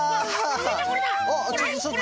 これだ！